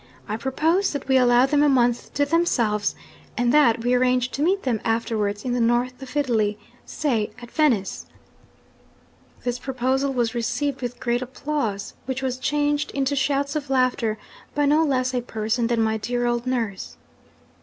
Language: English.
I propose that we allow them a month to themselves, and that we arrange to meet them afterwards in the North of Italy say at Venice." 'This proposal was received with great applause, which was changed into shouts of laughter by no less a person than my dear old nurse.